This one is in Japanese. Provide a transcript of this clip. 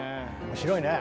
面白いね。